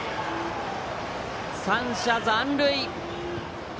３者残塁。